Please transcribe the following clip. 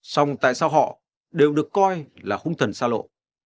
song tại sao họ đều được coi là hung thần xa lộ